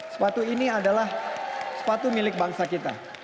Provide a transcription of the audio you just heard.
sepatu ini adalah sepatu milik bangsa kita